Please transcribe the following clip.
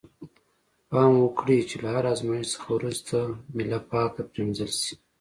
پام وکړئ چې له هر آزمایښت څخه وروسته میله پاکه پرېمینځل شي.